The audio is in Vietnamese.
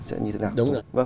sẽ như thế nào